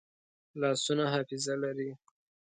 لاسونه حافظه لري